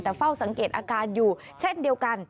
แต่เฝ้าสังเกตอาการอยู่เช่นเดียวกัน